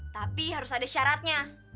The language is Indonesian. tapi harus ada syaratnya